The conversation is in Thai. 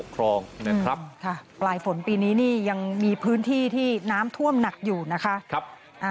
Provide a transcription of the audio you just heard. ครับ